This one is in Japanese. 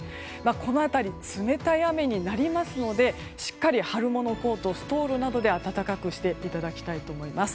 この辺り冷たい雨になりますのでしっかり春物コート、ストールなどで暖かくしていただきたいと思います。